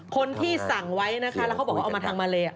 คนที่สั่งไว้นะคะแล้วเขาบอกว่าเอามาทางมาเล